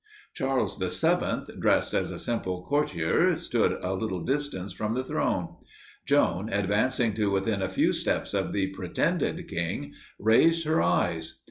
Charles VII, dressed as a simple courtier, stood a little distance from the throne. Joan, advancing to within a few steps of the pretended king, raised her eyes.